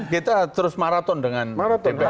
kita terus maraton dengan dprd ya